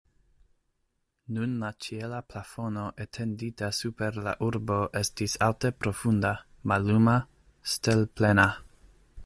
Nun la ĉiela plafono etendita super la urbo estis alte profunda, malluma, stelplena.